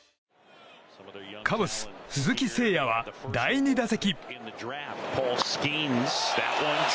カブス、鈴木誠也は第２打席。